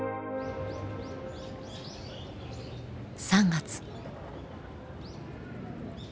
３月。